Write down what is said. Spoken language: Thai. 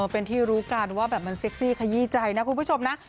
เป็นที่รู้กันว่าแบบมันเซ็กซี่ขยี้ใจนะคุณผู้ชมนะ